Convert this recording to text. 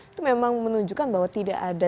itu memang menunjukkan bahwa tidak ada